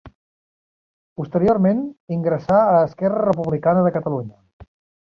Posteriorment ingressà a Esquerra Republicana de Catalunya.